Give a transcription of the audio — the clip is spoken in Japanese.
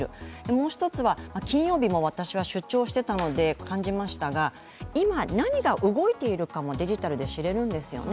もう一つは金曜日も私は出張していたので感じましたが、今何が動いているかもデジタルで知れるんですよね。